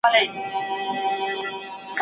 که خاوند مراعات ونکړي څه ستونزه جوړيږي؟